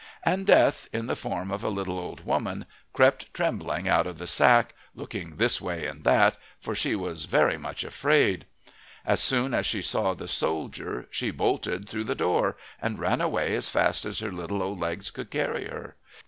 And Death, in the form of a little old woman, crept trembling out of the sack, looking this way and that, for she was very much afraid. As soon as she saw the soldier she bolted through the door, and ran away as fast as her little old legs could carry her.